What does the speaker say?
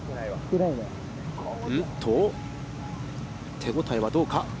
手応えはどうか。